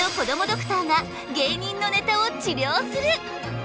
ドクターが芸人のネタを治りょうする！